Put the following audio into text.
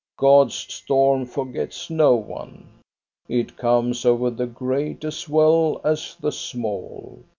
God's storm forgets no one. It comes over the great as well as the small.